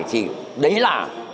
thì đấy là